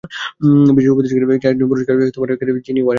বিশেষ উপস্থিতি ছিলেন একাডেমি পুরস্কার বিজয়ী ওয়াহ চ্যাং ও জিনি ওয়ারেন।